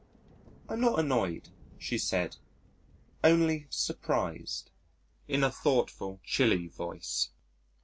"I'm not annoyed," she said, "only surprised" in a thoughtful, chilly voice.